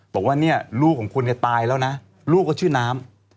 บอกว่าลูกของคุณตายแล้วนะลูกก็ชื่อน้ำ